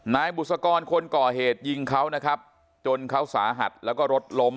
นายบุษกรคนก่อเหตุยิงเขานะครับจนเขาสาหัสแล้วก็รถล้ม